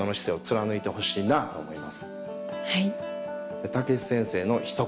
はい。